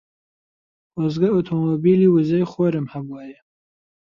خۆزگە ئۆتۆمۆبیلی وزەی خۆرم هەبوایە.